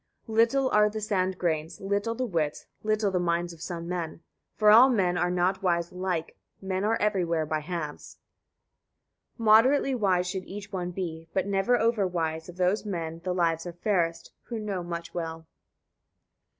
53. Little are the sand grains, little the wits, little the minds of [some] men; for all men are not wise alike: men are everywhere by halves. 54. Moderately wise should each one be, but never over wise: of those men the lives are fairest, who know much well.